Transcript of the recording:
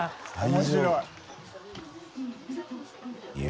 面白い。